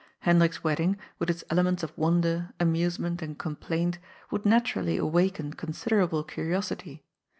Hendrik's wedding, with its elements of wonder, amusement and complaint, would naturally awaken con siderable curiosity.